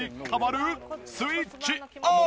スイッチオン！